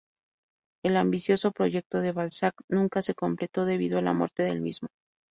El ambicioso proyecto de Balzac nunca se completó debido a la muerte del mismo.